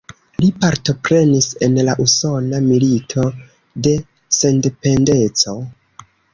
Li partoprenis en la Usona Milito de Sendependeco.